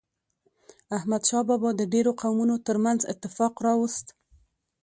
احمد شاه بابا د ډیرو قومونو ترمنځ اتفاق راوست.